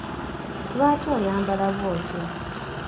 Lwaki oyambala bw'otyo?